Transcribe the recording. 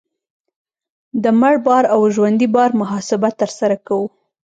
د مړ بار او ژوندي بار محاسبه ترسره کوو